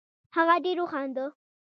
هغه ډېر وخندل